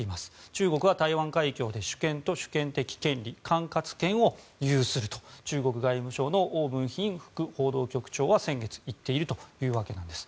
中国は台湾海峡で主権と主権的権利管轄権を有すると、中国外務省のオウ・ブンヒン副報道局長は先月言っているというわけなんです。